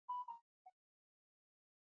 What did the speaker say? ya watanzania wamepata division nne au di